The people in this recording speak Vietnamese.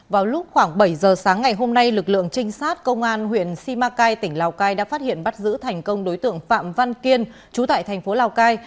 vào lúc khoảng bảy giờ sáng ngày hôm nay lực lượng trinh sát công an huyện simacai tỉnh lào cai đã phát hiện bắt giữ thành công đối tượng phạm văn kiên chú tại thành phố lào cai